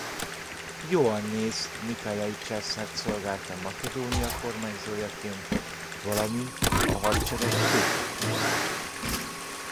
Ióannész nikaiai császárt szolgálta Makedónia kormányzójaként valamint a hadsereg főparancsnokaként.